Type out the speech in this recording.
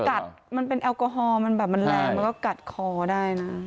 มันเป็นแอลกอฮอล์มันแบบมันแรงมันก็กัดคอได้นะ